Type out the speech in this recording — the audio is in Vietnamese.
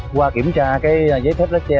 qua kiểm tra giấy phép lá xe